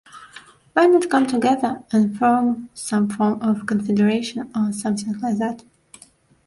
Why not come together and form some form of confederation or something like that.